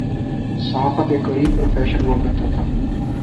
صحافت ایک غریب پروفیشن ہوا کرتاتھا۔